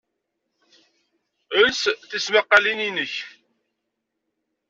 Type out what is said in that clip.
Els tismaqalin-inek!